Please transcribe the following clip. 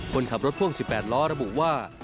คนขับรถพ่วง๑๘ล้อระบุว่า